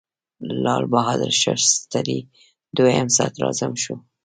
لال بهادر شاستري دویم صدراعظم شو.